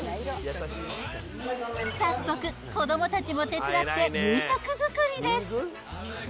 早速、子どもたちも手伝って夕食作りです。